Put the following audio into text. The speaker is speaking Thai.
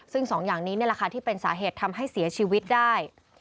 ซึ่งสองอย่างนี้นี่แหละค่ะที่เป็นสาเหตุทำให้เสียชีวิตได้